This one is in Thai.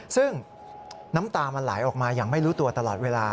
ซึ่งน้ำตามันไหลออกมาอย่างไม่รู้ตัวตลอดเวลา